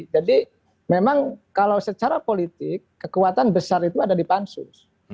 jadi memang kalau secara politik kekuatan besar itu ada di pansus